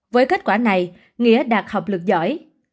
với kết quả này nghĩa đạt học lực giỏi